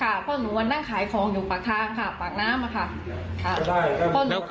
ตอนนี้ขอเอาผิดถึงที่สุดยืนยันแบบนี้